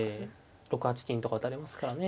６八金とか打たれますからね。